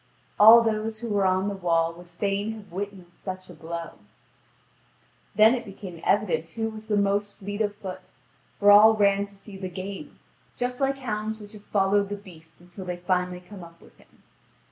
All those who were on the wall would fain have witnessed such a blow. Then it became evident who was the most fleet of foot, for all ran to see the game, just like hounds which have followed the beast until they finally come up with him.